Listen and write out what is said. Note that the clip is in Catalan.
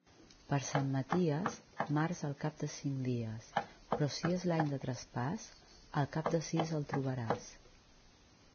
Per Sant Maties, març al cap de cinc dies, però si és l'any de traspàs, al cap de sis el trobaràs.